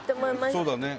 そうだね。